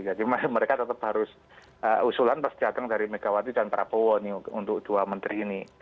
jadi mereka tetap harus usulan pas jatuh dari megawati dan prabowo untuk dua menteri ini